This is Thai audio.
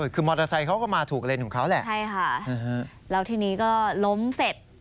คือมอเตอร์ไซค์เขาก็มาถูกเลนของเขาแหละใช่ค่ะแล้วทีนี้ก็ล้มเสร็จ